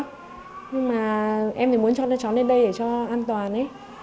nhưng mà em thì muốn cho đứa cháu lên đây để cho an toàn ấy